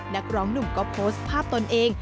นักร้องหนุ่มก็โพสต์ภาพตนเอง